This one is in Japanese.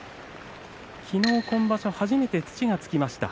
昨日、今場所初めて土がつきました。